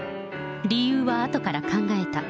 理由はあとから考えた。